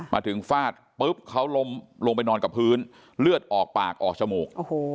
มาถึงฟาดปุ๊บเขาล้มลงไปนอนกับพื้นเลือดออกปากออกจมูก